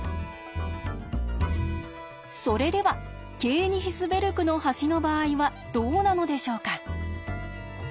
それではケーニヒスベルクの橋の場合はどうなのでしょうか？